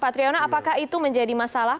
pak triyono apakah itu menjadi masalah